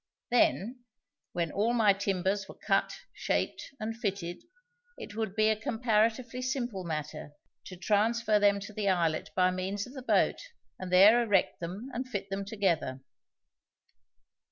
Then, when all my timbers were cut, shaped, and fitted, it would be a comparatively simple matter to transfer them to the islet by means of the boat, and there erect them and fit them together.